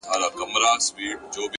• نو زنده گي څه كوي؛